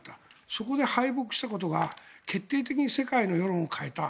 そこで敗北したことが決定的に世界の世論を変えた。